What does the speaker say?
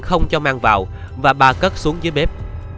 không cho mang vào và ba cất xuống dưới bếp